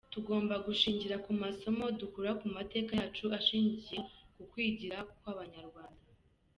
Tugomba gushingira ku masomo dukura ku mateka yacu ashingiye ku kwigira kw’Abanyarwanda.